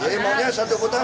jadi maunya satu putaran